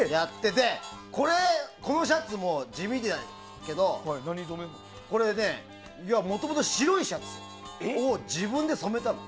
これ、このシャツも地味だけどこれね、もともと白いシャツを自分で染めたの。